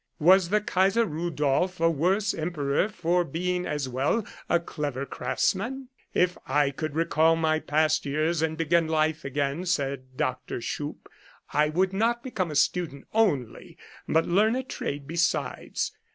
Was the Kaiser Rudolph a worse Emperor for being as well a clever craftsman ?* If I could recall my past years and begin life again,' said Dr. Schupp, * 1 would not become a student only, but learn a trade besides.